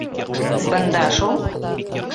— Бында шул.